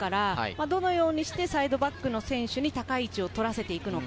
どのようにしてサイドバックの選手に高い位置を取らせていくのか。